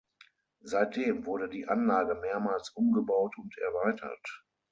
Seitdem wurde die Anlage mehrmals umgebaut und erweitert.